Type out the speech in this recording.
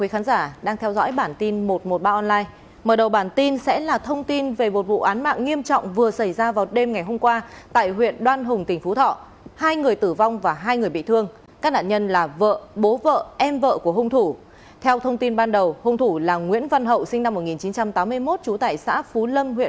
hãy đăng ký kênh để ủng hộ kênh của chúng mình nhé